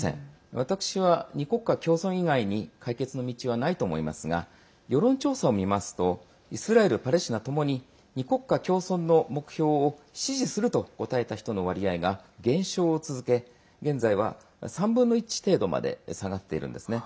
私は２国家共存以外に解決の道はないと思いますが世論調査を見ますとイスラエル、パレスチナともに２国家共存の目標を支持すると答えた人の割合が減少を続け現在は３分の１程度まで下がっているんですね。